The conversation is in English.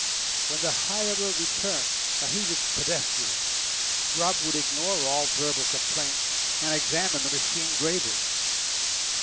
When the hirer returned, a heated pedestrian, Grubb would ignore all verbal complaints, and examine the machine gravely.